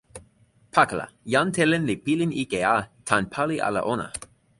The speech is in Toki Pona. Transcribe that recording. pakala, jan Telen li pilin ike a tan pali ala ona.